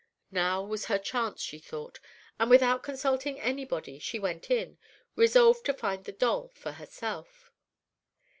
Now was her chance, she thought, and, without consulting anybody, she went in, resolved to find the doll for herself.